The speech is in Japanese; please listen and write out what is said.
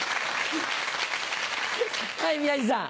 はい宮治さん。